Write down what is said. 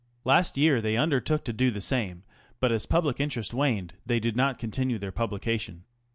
Last year they undertook to do the same, but as public interest waned they did not continue their publication.